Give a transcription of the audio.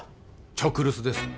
直留守です